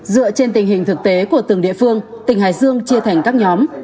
dựa trên tình hình thực tế của từng địa phương tỉnh hải dương chia thành các nhóm